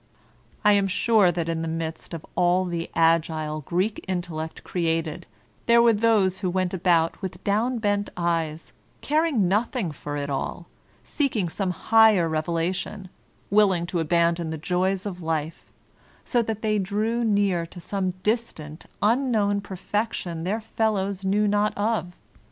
I am sure that in the midst of all the agile Greek intellect created, there were those who went about with d ow u bc nt eyes, caring nothing for it all, seeking some 90 VOLTAIKINE DE ClEYBE higher revelation, willing to abandon the joys of life, so that they drew near to some distant, unknown perfec tion their fellows knew not of.